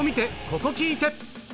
ここ聴いて！